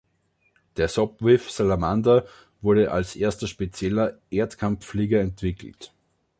Der Sopwith Salamander wurde als erster spezieller Erdkampfflieger entwickelt.